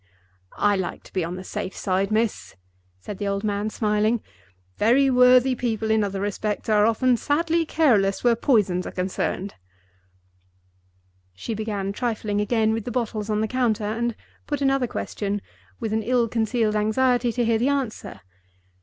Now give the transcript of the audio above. "I like to be on the safe side, miss," said the old man, smiling. "Very worthy people in other respects are often sadly careless where poisons are concerned." She began trifling again with the bottles on the counter, and put another question, with an ill concealed anxiety to hear the answer.